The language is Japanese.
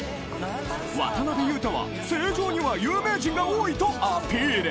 渡辺裕太は成城には有名人が多いとアピール